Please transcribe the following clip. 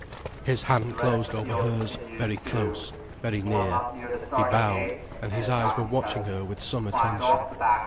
His hand closed over hers very close, very near, he bowed, and his eyes were watching her with some attention.